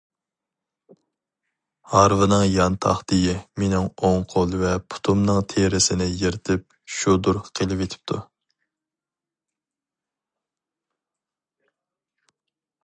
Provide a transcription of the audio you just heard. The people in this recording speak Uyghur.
ھارۋىنىڭ يان تاختىيى مېنىڭ ئوڭ قول ۋە پۇتۇمنىڭ تېرىسىنى يىرتىپ شۇدۇر قىلىۋېتىپتۇ.